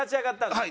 はい。